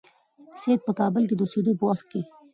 سید په کابل کې د اوسېدلو په وخت کې.